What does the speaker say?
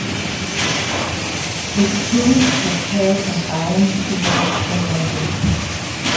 His parents were Pearl and Alan who were from London.